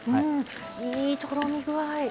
いいとろみ具合。